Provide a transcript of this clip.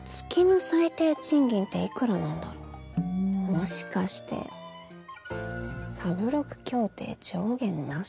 もしかして３６協定上限なし。